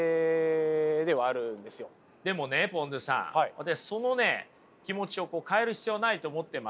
私その気持ちを変える必要はないと思ってまして。